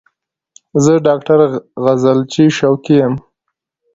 زه ډاکټر غزلچی شوقی یم